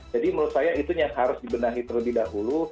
jadi menurut saya itu yang harus dibenahi terlebih dahulu